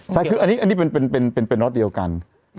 ใช่คืออันนี้เป็นล็อตเดียวกัน